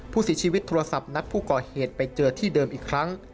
ผู้เสียชีวิตโทรศัพท์นัดผู้ก่อเหตุไปเจอที่เดิมอีกครั้ง